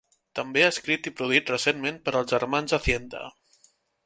També ha escrit i produït recentment per als germans Hacienda.